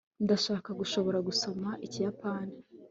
ndashaka gushobora gusoma ikiyapani